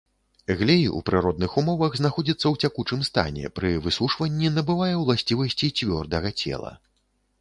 Глей у прыродных умовах знаходзіцца ў цякучым стане, пры высушванні набывае ўласцівасці цвёрдага цела.